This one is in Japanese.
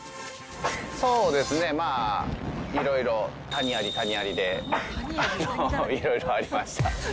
そうですね、まあ、いろいろ谷あり谷ありで、あの、いろいろありました。